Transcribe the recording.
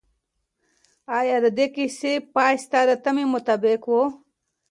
آیا د دې کیسې پای ستا د تمې مطابق و؟